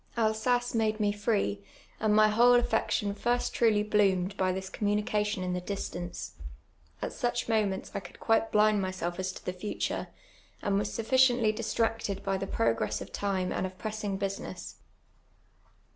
Alsace made me free, and mv whole atfection first trulv bloomed by this communication in the distance. At such moments I could quite blind myself as to the future ; and was sufficiently dis tracted by tlie process of time and of pressing; business.